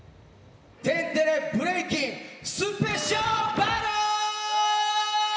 「天てれブレイキンスペシャルバトル」！